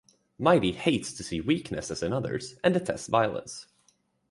Mighty hates to see weaknesses in others and detests violence.